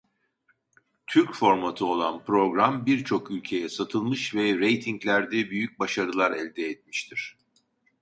Türk formatı olan program birçok ülkeye satılmış ve reytinglerde büyük başarılar elde etmiştir.